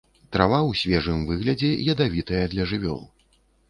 Трава ў свежым выглядзе ядавітая для жывёл.